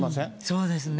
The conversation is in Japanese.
そうですね。